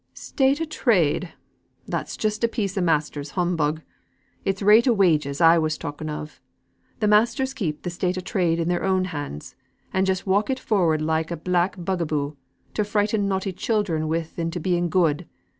"State o' trade! That's just a piece o' masters' humbug. It's rate o' wages I was talking of. Th' masters keep th' state o' trade in their own hands; and just walk it forward like a black bug a boo, to frighten naughty children with into being good.